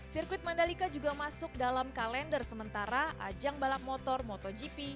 sirkuit mandalika juga masuk dalam kalender sementara ajang balap motor motogp